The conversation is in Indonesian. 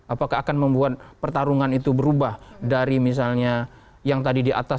apakah akan membuat pertarungan itu berubah dari misalnya yang tadi di atas